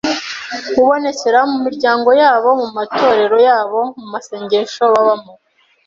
Ubonekera mu miryango yabo, mu matorero yabo, mu masengesho babamo,